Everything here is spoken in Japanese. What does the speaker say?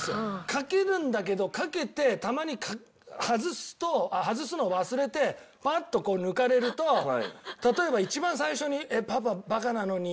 かけるんだけどかけてたまに外すと外すのを忘れてパッと抜かれると例えば一番最初に。